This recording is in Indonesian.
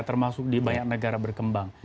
termasuk di banyak negara berkembang